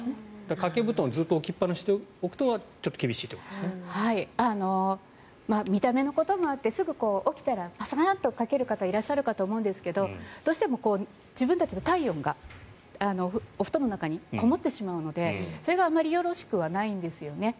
掛け布団をずっと置きっぱなしにしておくのは見た目のこともあってすぐ起きたらかける方もいると思うんですがどうしても自分たちの体温がお布団の中にこもってしまうのでそれがあまりよろしくはないんですよね。